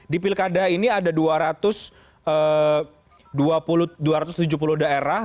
di pilkada ini ada dua ratus tujuh puluh daerah